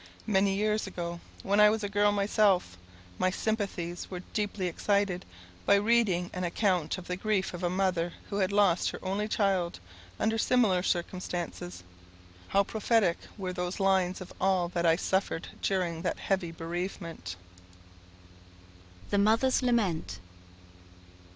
Many years ago, when I was a girl myself, my sympathies were deeply excited by reading an account of the grief of a mother who had lost her only child, under similar circumstances. How prophetic were those lines of all that I suffered during that heavy bereavement! The Mother's Lament.